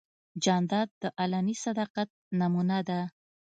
جانداد د علني صداقت نمونه ده.